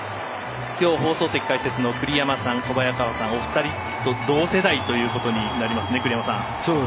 きょう放送席解説の栗山さん、小早川さんとお二人と同世代ということになりますね。